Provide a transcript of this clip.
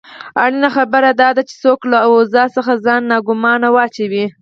اړینه خبره داده چې څوک له اوضاع څخه ځان ناګومانه واچوي.